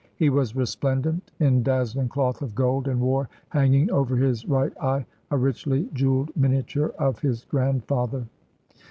He was resplendent in dazzhng cloth of gold, and wore, hanging over his right eye, a richly jeweled miniature of his grandfather.